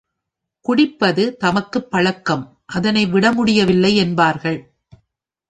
குடிப்பது தமக்குப் பழக்கம் அதனை விடமுடியவில்லை என்பார்கள்.